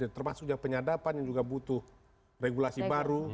termasuk yang penyadapan yang juga butuh regulasi baru